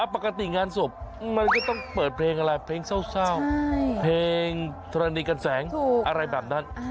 ปกติงานศพมันก็ต้องเปิดเพลงอะไรเพลงเศร้าเพลงธรณีกันแสงอะไรแบบนั้น